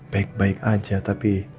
baik baik aja tapi